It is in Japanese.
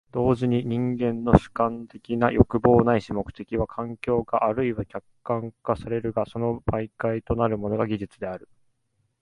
同時に人間の主観的な欲望ないし目的は環境化或いは客観化されるが、その媒介となるものが技術である。